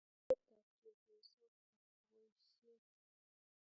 Ngwekab chepyosok ak boisiek